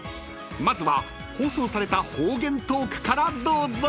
［まずは放送された方言トークからどうぞ］